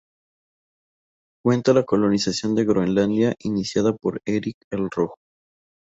Cuenta la colonización de Groenlandia iniciada por Erik el Rojo.